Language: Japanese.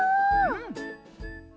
うん！